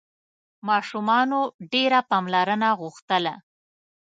ماشومانو ډېره پاملرنه غوښتله.